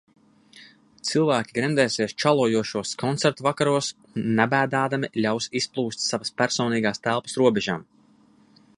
Cilvēki gremdēsies čalojošos koncertvakaros un nebēdādami ļaus izplūst savas personīgās telpas robežām.